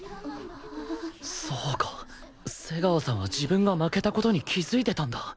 そうか瀬川さんは自分が負けた事に気づいてたんだ